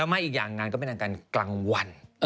แล้วไม่อีกอย่างงานก็เป็นอันการกลางวัน